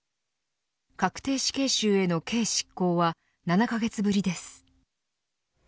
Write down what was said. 確定死刑囚への刑執行は７カ月ぶりです。